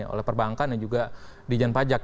oleh perbankan dan juga di jen pajak